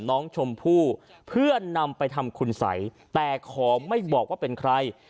น้องชมพู่เพื่อนำไปทำคุณสัยแต่ขอไม่บอกว่าเป็นใคร